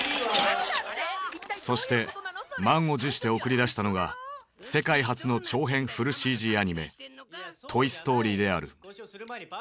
そして満を持して送り出したのが世界初の長編フルＣＧアニメ「トイ・ストーリー」である。